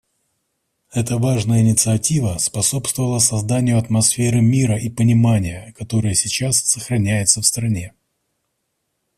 Эта важная инициатива способствовала созданию атмосферы мира и понимания, которая сейчас сохраняется в стране.